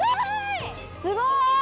すごい！